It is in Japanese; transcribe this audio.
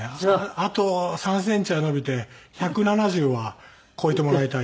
あと３センチは伸びて１７０は超えてもらいたいと。